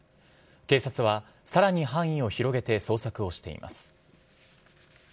警察は、さらに範囲を広げて捜索をしています。